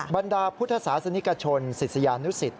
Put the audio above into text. บรรดาพุทธศาสนิกชนศิษยานุสิต